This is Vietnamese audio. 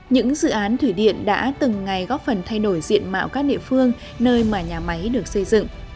những dự án thủy điện đã từng ngày góp phần thay đổi diện mạo các địa phương nơi mà nhà máy được xây dựng